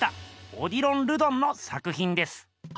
オディロン・ルドンの作ひんです。